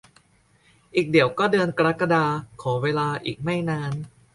อีกเดี๋ยวก็เดือนกรกฎา ขอเวลาอีกไม่นาน